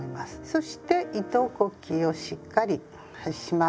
そして糸こきをしっかりします。